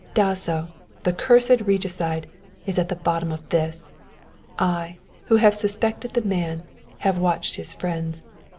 Dasso, the cursed regicide, is at the bottom of this. I, who have suspected the man, have watched his friends.